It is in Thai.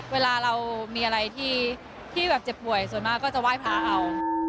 เวลาเรามีอะไรที่แบบเจ็บป่วยส่วนมากก็จะไหว้พระเอา